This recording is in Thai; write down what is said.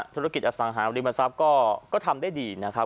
ธุรกิจอสังหาริมทรัพย์ก็ทำได้ดีนะครับ